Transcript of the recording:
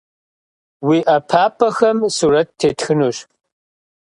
Уи ӏэпапӏэхэм сурэт тетхынущ.